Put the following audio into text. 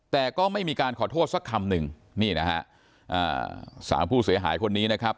แต่ก็ไม่มีการขอโทษสักคำหนึ่งนี่นะฮะอ่าสามผู้เสียหายคนนี้นะครับ